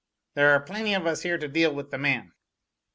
"There are plenty of us here to deal with the man."